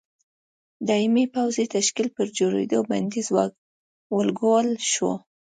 دایمي پوځي تشکیل پر جوړېدو بندیز ولګول شو.